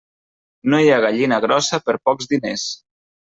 No hi ha gallina grossa per pocs diners.